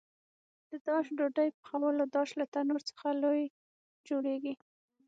د داش ډوډۍ پخولو داش له تنور څخه لوی جوړېږي.